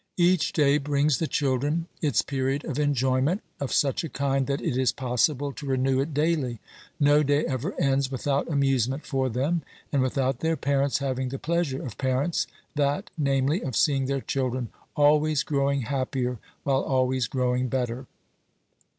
Each day brings the children its period of enjoyment, of such a kind that it is possible to renew it daily. No day ever ends without amusement for them, and without their parents OBERMANN 287 having the pleasure of parents, that, namely, of seeing their children always growing happier while always growing better.